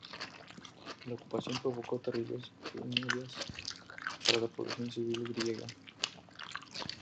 La ocupación provocó terribles penurias para la población civil griega.